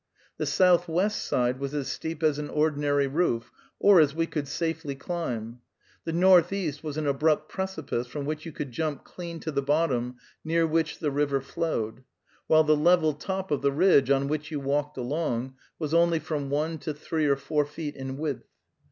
The southwest side was as steep as an ordinary roof, or as we could safely climb; the northeast was an abrupt precipice from which you could jump clean to the bottom, near which the river flowed; while the level top of the ridge, on which you walked along, was only from one to three or four feet in width.